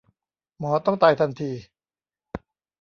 หมอต้องตายทันที